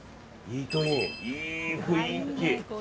いい雰囲気。